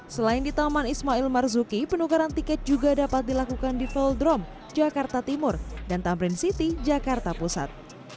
selain di taman ismail marzuki penukaran tiket juga dapat dilakukan di veldrome jakarta timur dan tamrin city jakarta pusat